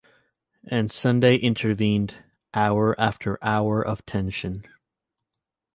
And Sunday intervened — hour after hour of tension.